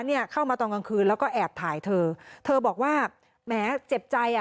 เนี่ยเข้ามาตอนกลางคืนแล้วก็แอบถ่ายเธอเธอบอกว่าแหมเจ็บใจอ่ะ